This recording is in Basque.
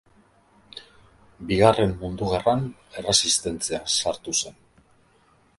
Bigarren Mundu Gerran Erresistentzian sartu zen.